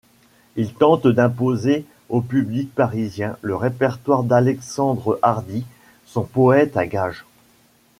Il tente d'imposer au public parisien le répertoire d'Alexandre Hardy, son poète à gages.